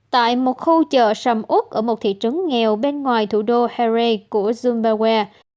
tại một khu chợ sầm út ở một thị trấn nghèo bên ngoài thủ đô harare của zimbabwe